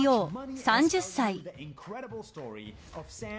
３０歳。